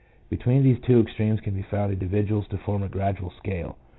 Between these two extremes can be found individuals to form a gradual scale.